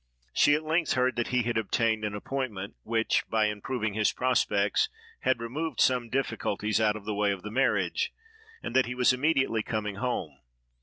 She at length heard that he had obtained an appointment, which, by improving his prospects, had removed some difficulties out of the way of the marriage, and that he was immediately coming home.